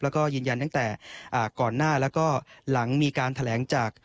แล้วก็ยืนยันตั้งแต่ก่อนหน้าแล้วก็หลังมีการแถลงจาก